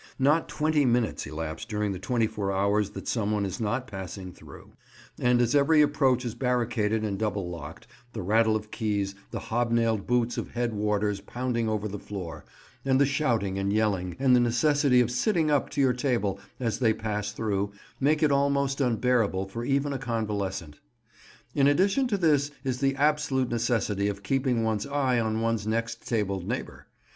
Not twenty minutes elapse during the twenty four hours that someone is not passing through; and as every approach is barricaded and double locked, the rattle of keys, the hobnailed boots of head warders pounding over the floor, and the shouting and yelling, and the necessity of "sitting up" to your table as they pass through, make it almost unbearable for even a convalescent. In addition to this is the absolute necessity of keeping one's eye on one's next tabled neighbour.